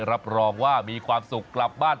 รับรองว่ามีความสุขกลับบ้าน